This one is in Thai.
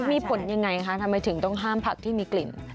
มีผลยังไงคะทำไมถึงต้องห้ามผักที่มีกลิ่น